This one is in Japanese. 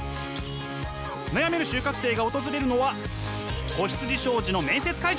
悩める就活生が訪れるのは子羊商事の面接会場。